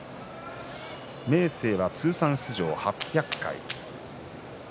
明生は通算出場８００回。